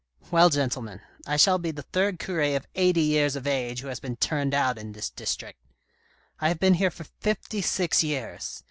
" Well, gentlemen, I shall be the third cure of eighty years of age who has been turned out in this district. I have been here for fifty six years.